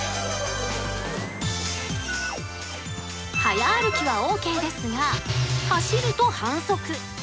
早歩きはオーケーですが走ると反則。